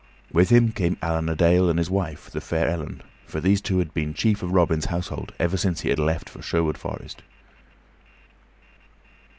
With him came Allan a Dale and his wife, the fair Ellen, for these two had been chief of Robin's household ever since he had left Sherwood Forest.